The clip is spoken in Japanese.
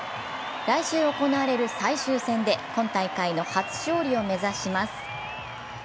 来週行われる最終戦で今大会の初勝利を目指します。